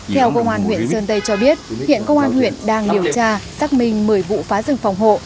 theo công an huyện sơn tây cho biết hiện công an huyện đang điều tra xác minh một mươi vụ phá rừng phòng hộ